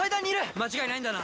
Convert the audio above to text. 間違いないんだな！？